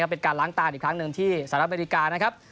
เป็นการล้างตาอีกครั้งหนึ่งที่สหรัฐอเมริกานะครับ